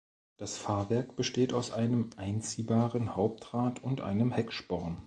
Das Fahrwerk besteht aus einem einziehbaren Hauptrad und einem Hecksporn.